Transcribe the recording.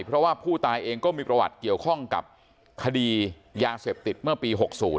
เพราะว่าผู้ตายเองก็มีประวัติเกี่ยวข้องกับคดียาเสพติดเมื่อปี๖๐